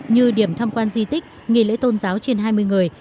như điểm tham quan di tích nghỉ lễ tôn giáo trên hai mươi người